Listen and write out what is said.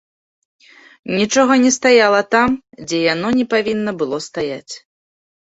Нічога не стаяла там, дзе яно не павінна было стаяць.